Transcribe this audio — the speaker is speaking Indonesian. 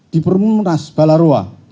di perumahan nas balarua